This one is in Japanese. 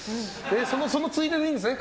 そのついででいいんですね？